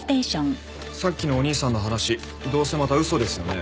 さっきのお兄さんの話どうせまた嘘ですよね？